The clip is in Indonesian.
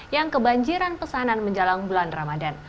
yang kebanjiran pesanan menjelang bulan ramadan